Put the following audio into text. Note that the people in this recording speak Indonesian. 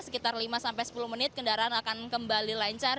sekitar lima sampai sepuluh menit kendaraan akan kembali lancar